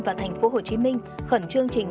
và tp hcm khẩn trương trình